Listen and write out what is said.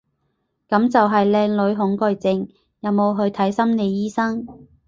噉就係靚女恐懼症，有冇去睇心理醫生？